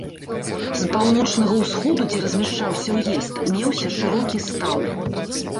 З паўночнага-ўсходу, дзе размяшчаўся ўезд, меўся шырокі стаў.